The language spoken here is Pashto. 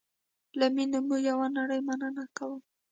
له میني مو یوه نړی مننه کوم